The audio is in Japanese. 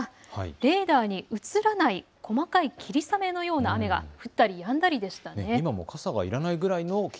レーダーに映らない細かい霧雨のような雨が降ったりやんだりでした。